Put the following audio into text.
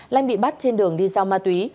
lanh bị bắt trên đường đi giao ma túy